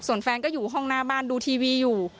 ส่วนแฟนก็อยู่ห้องหน้าบ้านดูทีวีอยู่